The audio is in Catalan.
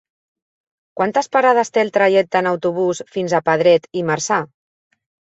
Quantes parades té el trajecte en autobús fins a Pedret i Marzà?